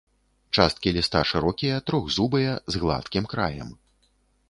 Часткі ліста шырокія, трохзубыя, з гладкім краем.